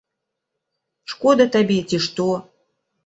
Шкода табе, ці што?